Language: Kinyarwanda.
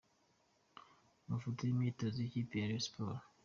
Amafoto y’imyitozo y’ikipe ya Rayon Sports.